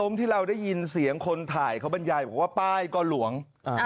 ไม่มีสัญญาณไฟวาบหวับของเปล่า